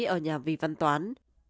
ở nhà vì văn toán